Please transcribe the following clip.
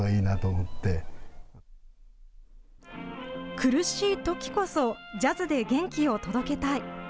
苦しいときこそジャズで元気を届けたい。